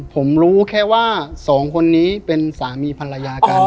ผมรู้แค่ว่าสองคนนี้เป็นสามีภรรยากัน